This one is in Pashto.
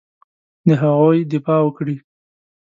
د هغوی دفاع وکړي.